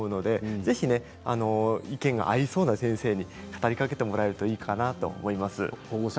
ぜひ意見が合いそうな先生に語りかけてもらえるといいかなと思います。